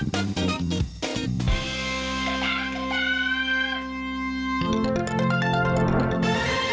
สวัสดีครับ